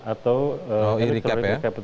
atau e recap ya